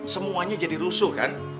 semuanya jadi rusuh kan